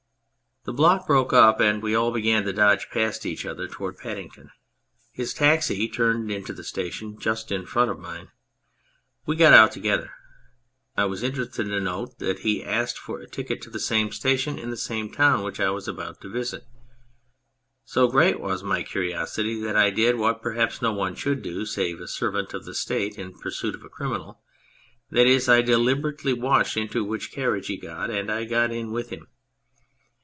The block broke up and we all began to dodge past each other towards Paddington. His taxi turned into the station just in front of mine. We got out together. I was interested to note that he asked for a ticket to the same station in the same town which I was about to visit. So great was my curiosity that I did what perhaps no one should do save a servant of the State in pursuit of a criminal, that is, I delib erately watched into which carriage he got and I got in with him.